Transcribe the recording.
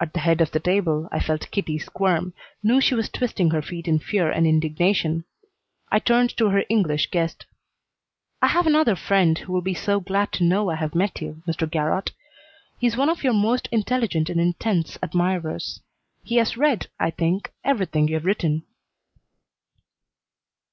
At the head of the table I felt Kitty squirm, knew she was twisting her feet in fear and indignation. I turned to her English guest. "I have another friend who will be so glad to know I have met you, Mr. Garrott. He is one of your most intelligent and intense admirers. He has read, I think, everything you've written."